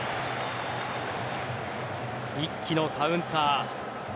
一気のカウンター。